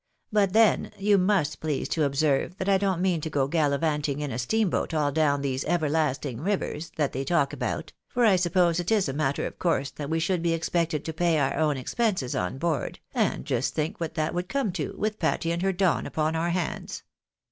But, then, you must please to observe that I don't mean to go galivanting in a steamboat all down these everlasting rivers, that they talk about, for I suppose it is a matter of course that we should be expected to pay our own expenses on board, and just think what that would come to, with Patty and her Don upon our hands